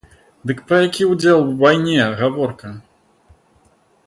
Дык пра які ўдзел у вайне гаворка?